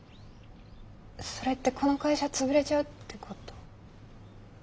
それってこの会社潰れちゃうってこと？